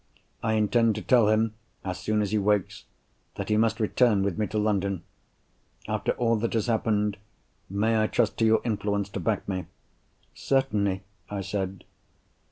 I intend to tell him, as soon as he wakes, that he must return with me to London. After all that has happened, may I trust to your influence to back me?" "Certainly!" I said.